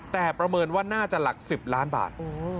แต่ประเมินว่าน่าจะหลัก๑๐ล้านบาท